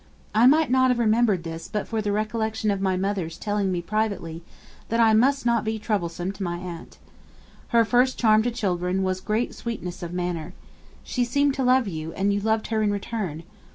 I might not have remembered this but for the recollection of my mother's telling me privately, that I must not be troublesome to my aunt. Her first charm to children was great sweetness of manner. She seemed to love you, and you loved her in return.